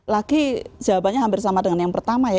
lagi jawabannya hampir sama dengan yang pertama ya